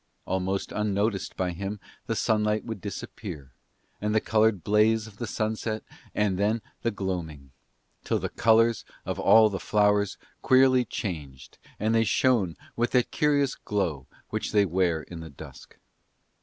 Almost unnoticed by him the sunlight would disappear, and the coloured blaze of the sunset, and then the gloaming; till the colours of all the flowers queerly changed and they shone with that curious glow which they wear in the dusk.